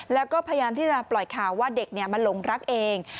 แล้วก็พยายามที่จะปล่อยข่าวว่าเด็กมาหลงรักเอง